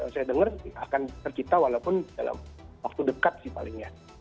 saya dengar akan tercipta walaupun dalam waktu dekat sih paling ya